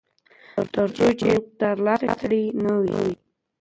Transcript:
ترڅو چې مو ترلاسه کړی نه وي.